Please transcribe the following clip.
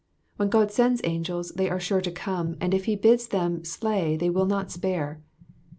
When God sends angels, they are sure to come, and if he bids them slay they will not spare.